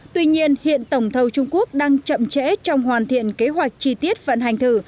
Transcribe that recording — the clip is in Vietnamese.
tuy nhiên hiện tổng thầu trung quốc đang chậm trễ trong hoàn thiện kế hoạch chi tiết vận hành thử